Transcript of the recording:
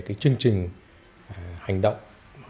chương trình hành động